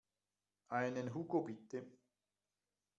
Einen Hugo bitte.